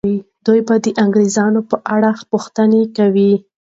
دوی به د انګریزانو په اړه پوښتنه کوي.